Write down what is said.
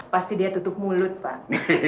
pasti dia tutup mulut pak